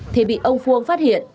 thì bị ông phuong phát hiện